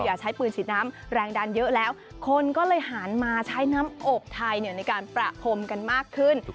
ใช้ปืนฉีดน้ำแรงดันเยอะแล้วคนก็เลยหันมาใช้น้ำอบไทยในการประพรมกันมากขึ้น